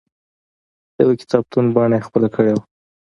د یوه کتابتون بڼه یې خپله کړې وه.